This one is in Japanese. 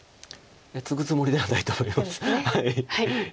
ツグつもりではないと思います。